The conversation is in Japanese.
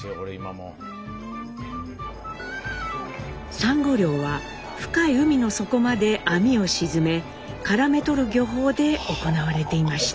サンゴ漁は深い海の底まで網を沈めからめ捕る漁法で行われていました。